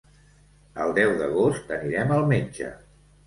El deu d'agost anirem al metge.